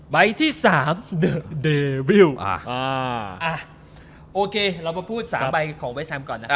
ใบที่สามอ่าอ่าอ่าโอเคเรามาพูดสามใบของเวสแฮมก่อนนะครับ